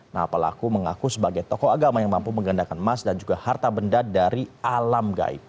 nah pelaku mengaku sebagai tokoh agama yang mampu menggandakan emas dan juga harta benda dari alam gaib